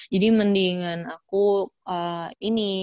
jadi mendingan aku ini